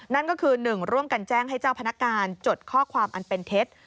นั่นก็คือ๑ร่วมกันแจ้งให้เจ้าพนักงานจดข้อความอันเป็นเท็จ